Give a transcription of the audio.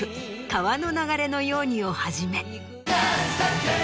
『川の流れのように』をはじめ。